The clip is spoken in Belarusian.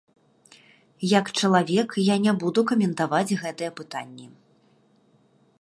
Як чалавек, я не буду каментаваць гэтыя пытанні.